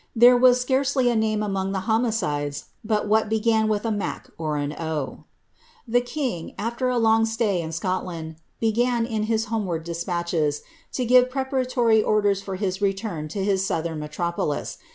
There was scarcely a name among the homi cides but what began with a Mac or an O. The king, afler a long stay in Scotland, began, in his homeward de» patches, to give preparatory orders for his return to his southern metr<H polis.